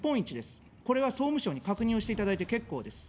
これは総務省に確認をしていただいて結構です。